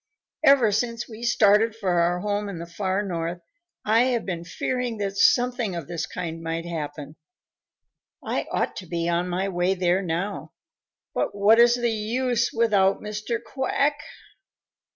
Ever since we started for our home in the far North, I have been fearing that something of this kind might happen. I ought to be on my way there now, but what is the use without Mr. Quack?